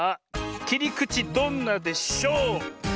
きりくちどんなでしょ。